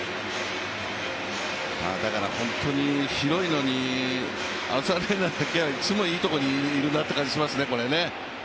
本当に広いのにアロザレーナだけはいつもいいところにいるなという感じがしますね。